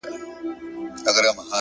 گراني دا هيله كوم”